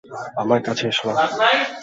আমার কাছে এসো না।